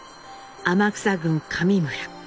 天草郡上村